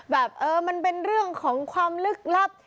แบบเออมันเป็นเรื่องของความลึกลับ